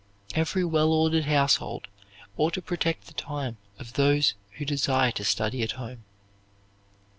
Every well ordered household ought to protect the time of those who desire to study at home.